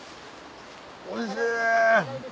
おいしい。